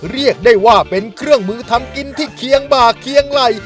เรียกได้ว่าเป็นเครื่องมือทำกินที่เคียงบ่าเคียงไหล่